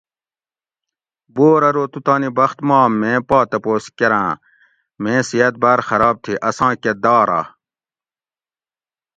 بور ارو تو تانی بخت ماں میں پا تپوس کرۤاں میں صیحت باۤر خراب تھی اساں کہ دارہ؟